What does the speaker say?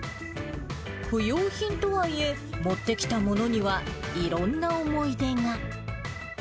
不用品とはいえ、持ってきたものにはいろんな思い出が。